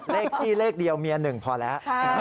เลขพี่เลขเดียวเมียหนึ่งพอแล้ว